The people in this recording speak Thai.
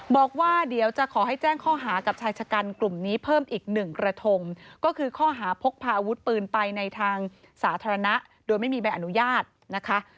บอกว่าเดี๋ยวจะขอให้แจ้งข้อหากับชายชะกันกลุ่มนี้เพิ่มอีกหนึ่งกระทงก็คือข้อหาพกพาอาวุธปืนไปในทางสาธารณะโดยไม่มีใบอนุญาตนะคะ